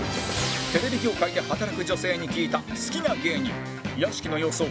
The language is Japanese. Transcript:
テレビ業界で働く女性に聞いた好きな芸人屋敷の予想